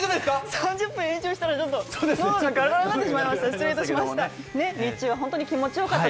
３０分延長したら、喉がガラガラになってしまいました、失礼しました。